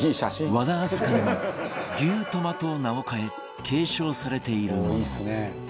和田明日香にも「牛トマ」と名を変え継承されているもの